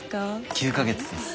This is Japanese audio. ９か月です。